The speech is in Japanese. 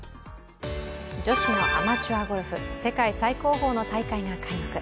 女子のアマチュアゴルフ、世界最高峰の大会が開幕。